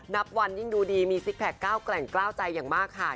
แนบวันยิ่งดูดีมีสิคแพลคกล้าวแกร่งใจอย่างมากครับ